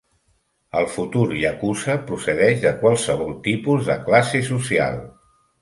El futur yakuza procedeix de qualsevol tipus de classe social.